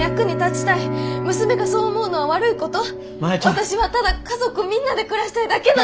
私はただ家族みんなで暮らしたいだけなの！